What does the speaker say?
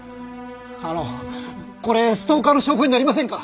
あのこれストーカーの証拠になりませんか？